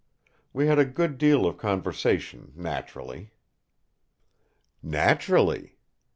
We had a good deal of conversation—naturally." "Naturally!"